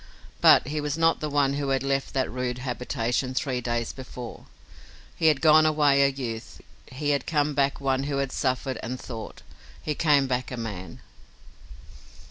But he was not the one who had left that rude habitation three days before. He had gone away a youth. He had come back one who had suffered and thought. He came back a man.